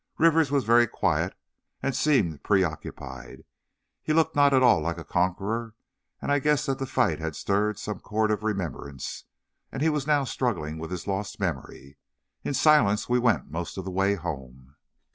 Rivers was very quiet and seemed preoccupied. He looked not at all like a conqueror, and I guessed that the fight had stirred some chord of remembrance, and he was now struggling with his lost memory. In silence we went most of the way home.